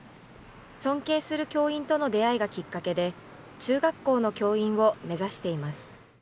尊敬する教員との出会いがきっかけで、中学校の教員を目指しています。